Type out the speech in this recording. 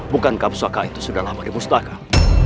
bukankah peswaka itu sudah lama dimustahkan